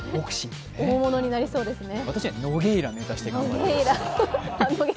大物になりそうですね。